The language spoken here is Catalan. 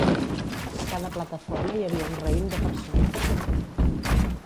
A cada plataforma hi havia un raïm de persones.